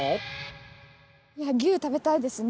牛食べたいですね。